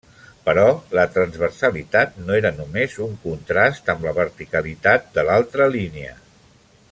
Però la transversalitat no era només un contrast amb la verticalitat de l'altra línia.